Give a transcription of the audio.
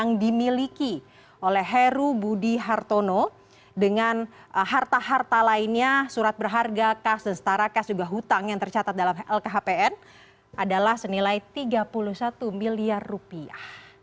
yang dimiliki oleh heru budi hartono dengan harta harta lainnya surat berharga kas dan setara kas juga hutang yang tercatat dalam lkhpn adalah senilai tiga puluh satu miliar rupiah